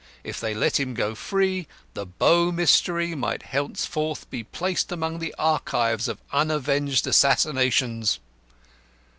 If they let him go free, the Bow Mystery might henceforward be placed among the archives of unavenged assassinations.